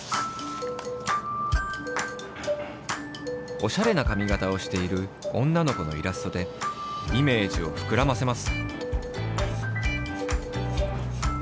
おしゃれな髪型をしている女の子のイラストでイメージをふくらませます。